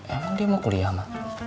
emang dia mau kuliah ma